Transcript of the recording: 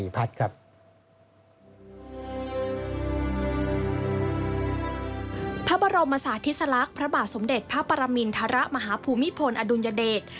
พระบรมศาสติสลักษณ์พระบาทสมเด็จพระปรมินทรมาฮภูมิพลอดุลยเดช